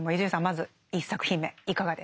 まず１作品目いかがでしたか？